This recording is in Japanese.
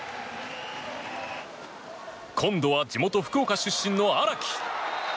今度は、地元・福岡出身の荒木。